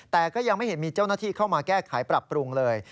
แต่ก็ยังไม่เห็นมีเจ้าหน้าที่เข้ามาแก้ไขปรับปรุงเลย